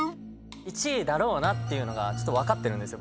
１位だろうなっていうのが分かってるんですよ